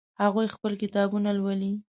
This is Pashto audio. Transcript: هغوی خپلې کتابونه لولي